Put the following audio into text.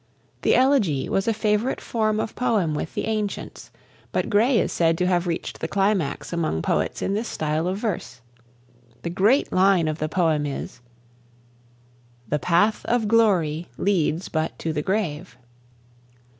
The "elegy" was a favourite form of poem with the ancients, but Gray is said to have reached the climax among poets in this style of verse. The great line of the poem is: "The path of glory leads but to the grave."